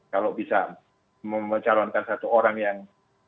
kalau bisa mencalonkan satu orang yang